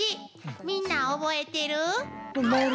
みんな覚えてる？